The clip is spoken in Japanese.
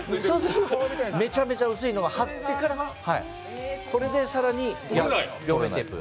めちゃめちゃ薄いのを貼ってからそれで更に両面テープ。